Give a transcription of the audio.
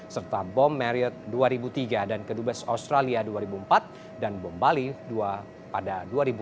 serta bom marriot dua ribu tiga dan kedubes australia dua ribu empat dan bom bali ii pada dua ribu empat